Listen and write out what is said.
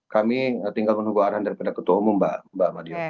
kami tinggal menunggu arahan dari ketua umum mbak mbak madiw